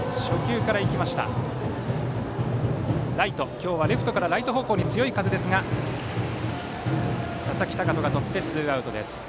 今日はレフトからライト方向に強い風ですが笹木天翔がとって、ツーアウト。